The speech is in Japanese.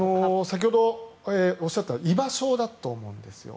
先ほどおっしゃった居場所だと思うんですよ。